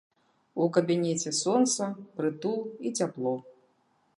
У кабінеце сонца, прытул і цяпло.